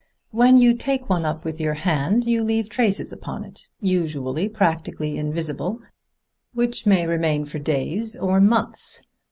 When you take one up with your hand you leave traces upon it, usually practically invisible, which may remain for days or months.